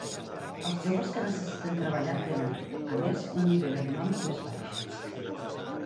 Els joves que necessiten treballar tenen, a més, un nivell econòmic més baix.